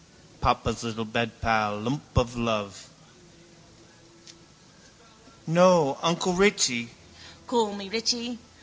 Papa's little bedpal. Lump of love. —No, uncle Richie... —Call me Richie.